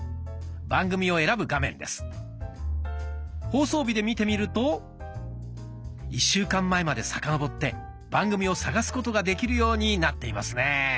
放送日で見てみると１週間前まで遡って番組を探すことができるようになっていますね。